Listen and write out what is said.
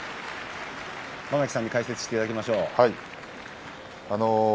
間垣さんに解説していただきましょう。